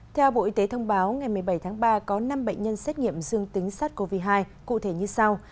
theo bộ y tế thông báo ngày một mươi bảy tháng ba có năm bệnh nhân xét nghiệm dương tính sars cov hai cụ thể như sau